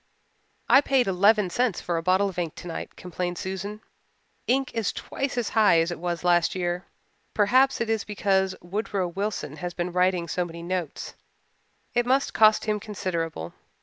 "I paid eleven cents for a bottle of ink tonight," complained Susan. "Ink is twice as high as it was last year. Perhaps it is because Woodrow Wilson has been writing so many notes. It must cost him considerable.